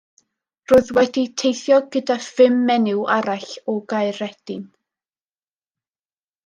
Roedd wedi teithio gyda phum menyw arall o Gaeredin.